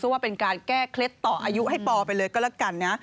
ว่าเป็นการแก้เคล็ดต่ออายุให้ปอไปเลยก็แล้วกันนะ